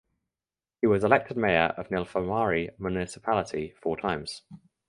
He was elected mayor of Nilphamari Municipality four times.